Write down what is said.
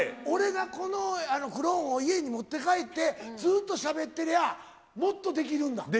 俺がこのクローンを家に持って帰って、ずっとしゃべってりゃ、もっとできるんだ？